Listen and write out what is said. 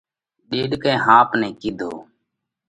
ڏيڏڪئہ ۿاپ نئہ ڪِيڌو: